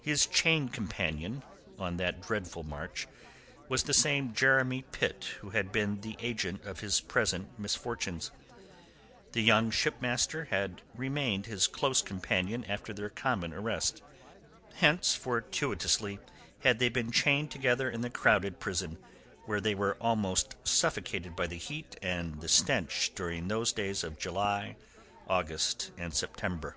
His chain companion on that dreadful march was the same Jeremy Pitt who had been the agent of his present misfortunes. The young shipmaster had remained his close companion after their common arrest. Hence, fortuitously, had they been chained together in the crowded prison, where they were almost suffocated by the heat and the stench during those days of July, August, and September.